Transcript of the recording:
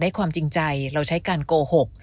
ความจริงใจเราใช้การโกหก